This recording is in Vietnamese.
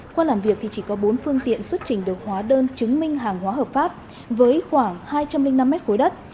qua làm việc thì chỉ có bốn phương tiện xuất trình được hóa đơn chứng minh hàng hóa hợp pháp với khoảng hai trăm linh năm mét khối đất